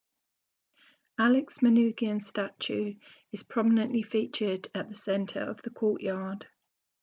Alex Manoogian's statue is prominently featured at the centre of the courtyard.